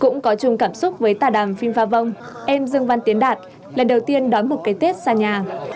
cũng có chung cảm xúc với tà đàm phim pha vong em dương văn tiến đạt lần đầu tiên đón một cái tết xa nhà